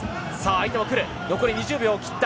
相手も来る残り２０秒を切った。